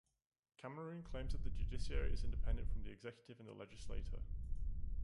Cameroon claims that the judiciary is independent from the executive and the legislature.